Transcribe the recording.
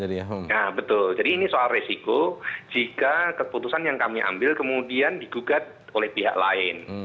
nah betul jadi ini soal resiko jika keputusan yang kami ambil kemudian digugat oleh pihak lain